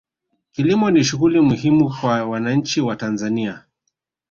kilimo ni shughuli muhimu kwa wananchi wa tanzania